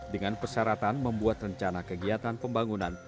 dengan persyaratan membuat rencana kegiatan pembangunan